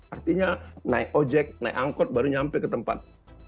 artinya naik ojek naik angkut baru sampai ke tempat